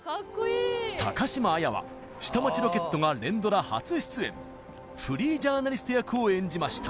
高島彩は「下町ロケット」が連ドラ初出演フリージャーナリスト役を演じました